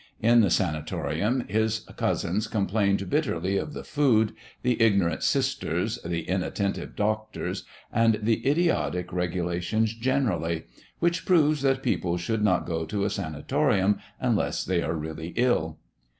In the sanatorium his cousins complained bitterly of the food, the ignorant "sisters," the inattentive doctors, and the idiotic regulations generally which proves that people should not go to a sanatorium unless they are really ill.